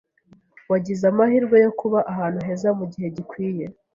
Wagize amahirwe yo kuba ahantu heza mugihe gikwiye.